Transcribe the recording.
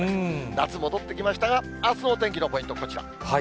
夏、戻ってきましたが、あすのお天気のポイント、こちら。